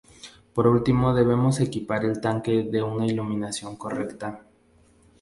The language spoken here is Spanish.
Por último, debemos equipar el tanque de una iluminación correcta.